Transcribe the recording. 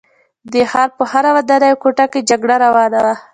د دې ښار په هره ودانۍ او کوټه کې جګړه روانه وه